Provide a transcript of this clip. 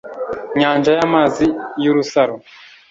Nyanja y'amazi y'urusaro